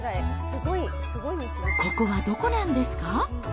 ここはどこなんですか？